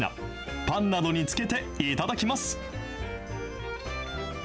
パンなどにつけていただきます。